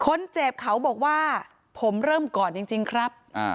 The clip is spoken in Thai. คนเจ็บเขาบอกว่าผมเริ่มก่อนจริงครับ